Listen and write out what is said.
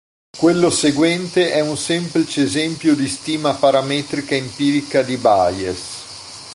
Quello seguente è un semplice esempio di stima parametrica empirica di Bayes.